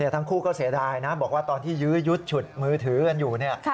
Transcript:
ทั้งคู่ก็เสียดายนะบอกว่าตอนที่ยื้อยุดฉุดมือถือกันอยู่เนี่ย